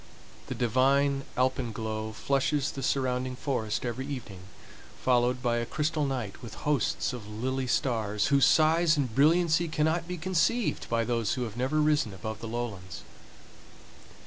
The divine alpenglow flushes the surrounding forest every evening, followed by a crystal night with hosts of lily stars, whose size and brilliancy cannot be conceived by those who have never risen above the lowlands.